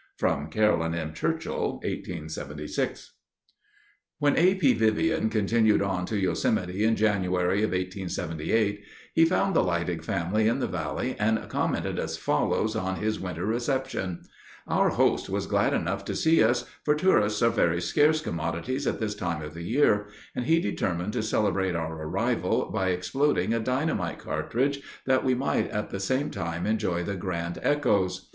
(From Caroline M. Churchill, 1876.) When A. P. Vivian continued on to Yosemite in January of 1878, he found the Leidig family in the valley and commented as follows on his winter reception: Our host was glad enough to see us, for tourists are very scarce commodities at this time of the year, and he determined to celebrate our arrival by exploding a dynamite cartridge, that we might at the same time enjoy the grand echoes.